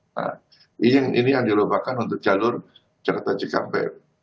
nah ini yang dilupakan untuk jalur jakarta cikampek